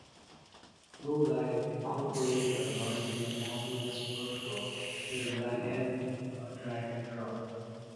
GoLive incorporated a largely modeless workflow that relied heavily on drag-and-drop.